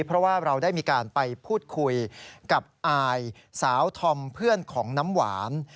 เพราะว่าเราได้มีการไปพูดคุยกับอายสาวธอมเพื่อนของน้ำหวาน